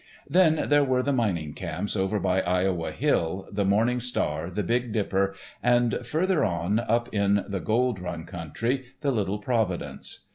Then there were the mining camps over by Iowa Hill, the Morning Star, the Big Dipper, and further on, up in the Gold Run country, the Little Providence.